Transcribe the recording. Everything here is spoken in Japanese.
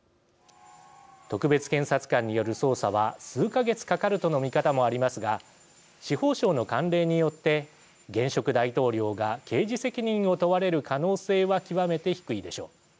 特別検察官による捜査は数か月かかるとの見方もありますが司法省の慣例によって現職大統領が刑事責任を問われる可能性は極めて低いでしょう。